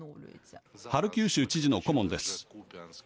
ハルキウ州知事の顧問です。